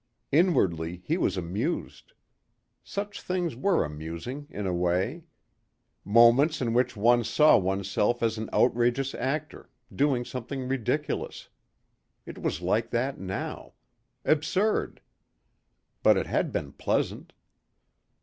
Inwardly he was amused. Such things were amusing, in a way. Moments in which one saw oneself as an outrageous actor, doing something ridiculous. It was like that now. Absurd. But it had been pleasant.